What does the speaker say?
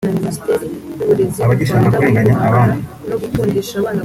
abagishaka kurenganya abandi